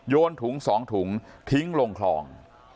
ถุง๒ถุงทิ้งลงคลอง